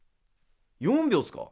４秒すか。